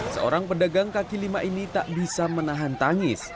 seorang pedagang kaki lima ini tak bisa menahan tangis